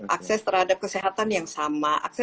akses terhadap kesehatan yang sama